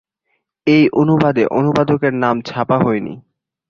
এই অনুবাদে অনুবাদকের নাম ছাপা হয়নি।